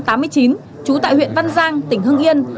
trú tại huyện văn giang tỉnh hưng yên